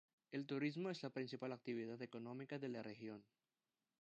El turismo es la principal actividad económica de la región.